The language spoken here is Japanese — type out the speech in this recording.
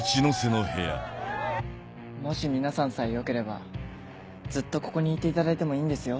もし皆さんさえよければずっとここにいていただいてもいいんですよ。